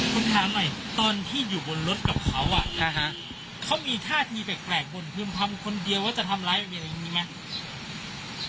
คุณถามหน่อยตอนที่อยู่บนรถกับเขาอ่ะเขามีท่าทีแปลกบนพื้นพรรมคนเดียวว่าจะทำร้ายแบบนี้มั้ย